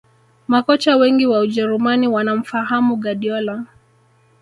Makocha Wengi wa ujerumani wanamfahamu Guardiola